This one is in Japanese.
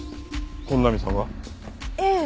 本並さんが？ええ。